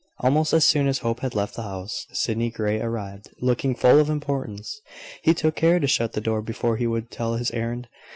Almost as soon as Hope had left the house, Sydney Grey arrived, looking full of importance. He took care to shut the door before he would tell his errand.